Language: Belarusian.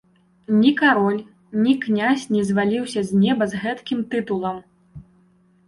Ні кароль, ні князь, не зваліўся з неба з гэткім тытулам.